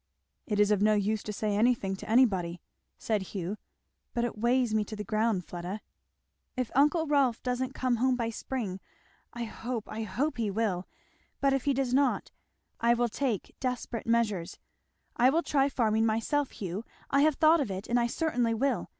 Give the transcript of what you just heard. "It is of no use to say anything to anybody," said Hugh. "But it weighs me to the ground, Fleda!" "If uncle Rolf doesn't come home by spring I hope, I hope he will! but if he does not, I will take desperate measures. I will try farming myself, Hugh. I have thought of it, and I certainly will.